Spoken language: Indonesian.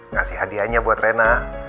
ngasih hadiahnya buat rena